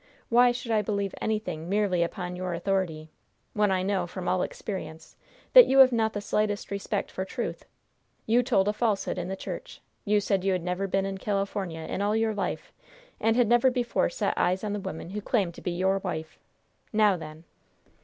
Why should I believe anything merely upon your authority, when I know, from all experience, that you have not the slightest respect for the truth? You told a falsehood in the church. You said you had never been in California in all your life, and had never before set eyes on the woman who claimed to be your wife. Now, then!"